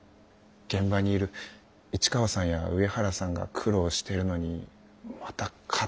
現場にいる市川さんや上原さんが苦労してるのにまた勝手なことばかり。